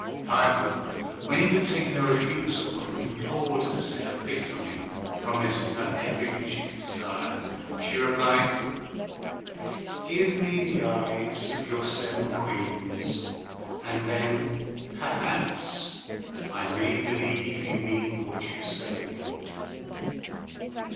However, when he would take no refusal, but implored her to have pity on him, promising her everything she could desire, she replied, "Give me the eyes of your seven Queens, and then perhaps I may believe you mean what you say."